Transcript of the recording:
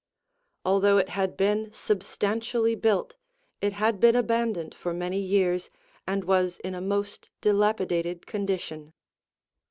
Although it had been substantially built, it had been abandoned for many years and was in a most dilapidated condition.